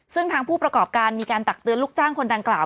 ซึ่งทางผู้ประกอบการมีการตักเตือนลูกจ้างคนดังกล่าว